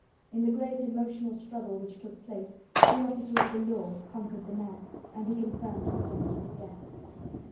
In the great emotional struggle which took place, the officer of the law conquered the man, and he confirmed the sentence of death.